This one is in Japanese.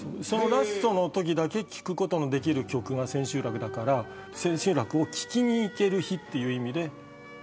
ラストのときだけ聴くことができる曲が千秋楽だから千秋楽を聴きに行ける日という意味で。